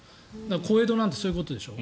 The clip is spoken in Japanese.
小江戸なんてそういうことでしょ。